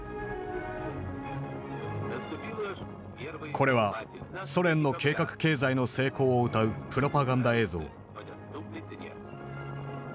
これはソ連の計画経済の成功をうたうプロパガンダ映像。